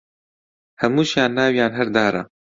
هەمووشیان ناویان هەر دارە